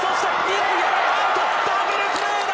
ダブルプレーだ！